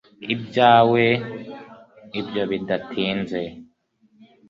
Ibyawe ibyo bidatinze